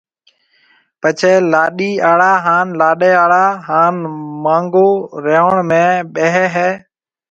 پچيَ لاڏِي آݪا ھان لاڏيَ آݪا ھان مانگو ريوڻ ۾ ٻيھيََََ ھيََََ